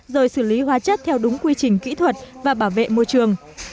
rồi xử lý hóa chất theo đúng quy trình kỹ thuật và bảo vệ môi trường